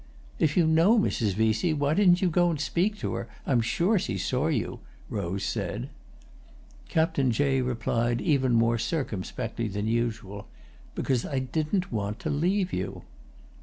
"If you know Mrs. Vesey, why didn't you go and speak to her? I'm sure she saw you," Rose said. Captain Jay replied even more circumspectly than usual. "Because I didn't want to leave you."